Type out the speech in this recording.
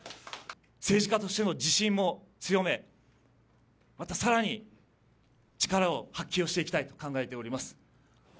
政治家としての自信を強め、またさらに力を発揮をしていきたいと考えております。